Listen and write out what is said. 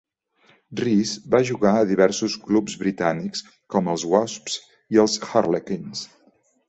Rees va jugar a diversos clubs britànics, com els Wasps i els Harlequins.